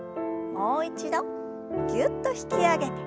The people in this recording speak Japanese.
もう一度ぎゅっと引き上げて。